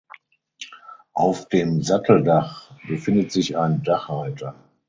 Auf dem Satteldach befindet sich ein Dachreiter.